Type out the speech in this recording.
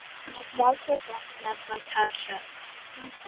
Ar draws o'r farchnad mae carchar.